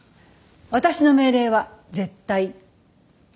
私の命令は絶対。